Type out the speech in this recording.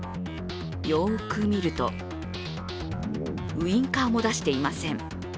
よく見ると、ウインカーも出していません。